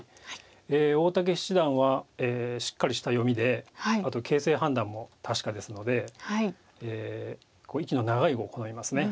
大竹七段はしっかりした読みであと形勢判断も確かですので息の長い碁を好みます。